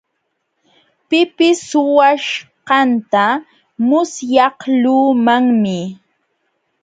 Pipis suwaaśhqanta musyaqluumanmi.